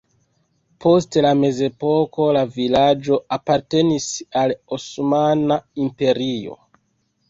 Post la mezepoko la vilaĝo apartenis al Osmana Imperio.